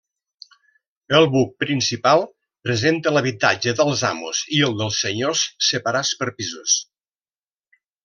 El buc principal presenta l’habitatge dels amos i el dels senyors separats per pisos.